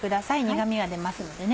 苦味が出ますのでね。